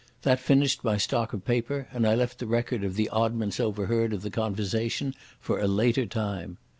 That finished my stock of paper, and I left the record of the oddments overheard of the conversation for a later time.